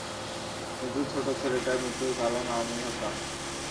কিন্তু ছোট ছেলেটার মৃত্যুর কারণ আমিই হতাম।